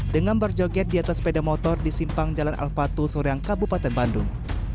dengan berjoget di atas sepeda motor di simpang jalan al fatul soreang kabupaten bandung